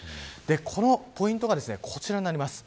このポイントがこちらになります。